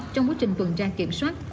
trong quá trình tuần tra kiểm soát